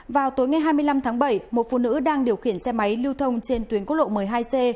vào tối ngày hai mươi năm tháng bảy một phụ nữ đang điều khiển xe máy lưu thông trên tuyến quốc lộ một mươi hai c